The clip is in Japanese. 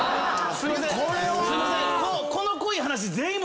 すいません！